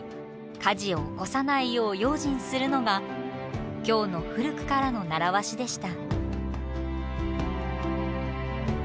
火事を起こさないよう用心するのが京の古くからの習わしでした。